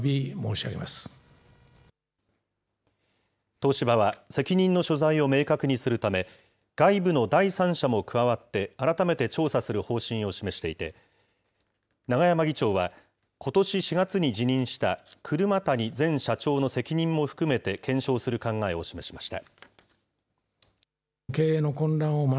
東芝は責任の所在を明確にするため、外部の第三者も加わって、改めて調査する方針を示していて、永山議長は、ことし４月に辞任した車谷前社長の責任も含めて、検証する考えを示しました。